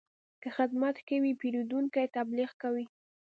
که خدمت ښه وي، پیرودونکی تبلیغ کوي.